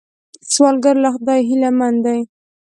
سوالګر له خدایه هیلمن دی